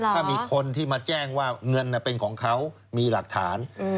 ถ้ามีคนที่มาแจ้งว่าเงินเป็นของเขามีหลักฐาน